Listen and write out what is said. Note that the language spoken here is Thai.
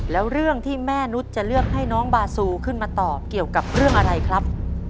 แล้วเรื่องที่แม่นุษย์จะเลือกให้น้องบาซูขึ้นมาตอบเกี่ยวกับเรื่องอะไรครับ